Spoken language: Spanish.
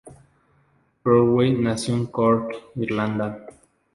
Crowley nació en Cork, Irlanda.